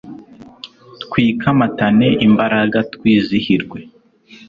twikamatane imbaraga twizihirwe